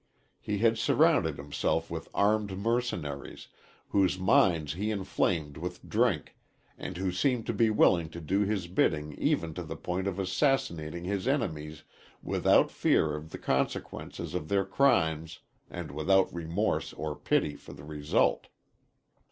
He had surrounded himself with armed mercenaries, whose minds he inflamed with drink, and who seemed to be willing to do his bidding even to the point of assassinating his enemies without fear of the consequences of their crimes and without remorse or pity for the result.